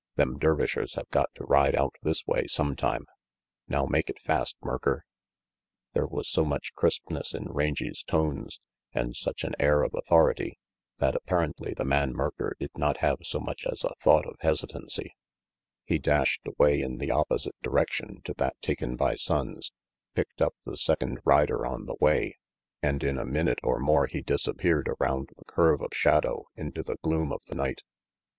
Them Dervishers have got to ride out this way some time. Now make it fast, Merker!" There was so much crispness in Rangy's tones, and such an air of authority, that apparently the man Merker did not have so much as a thought of 150 RANGY PETE hesitancy. He dashed away in the opposite direction to that taken by Sonnes, picked up the second rider on the way, and in a minute or more he disappeared around the curve of shadow into the gloom of the night.